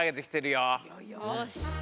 よし。